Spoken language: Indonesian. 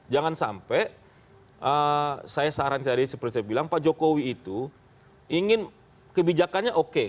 jangan sampai saya saran saya seperti saya bilang pak jokowi itu ingin kebijakannya oke